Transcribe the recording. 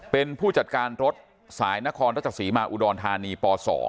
เป็นผู้จัดการรถสายนครรัชศรีมาอุดรธานีป๒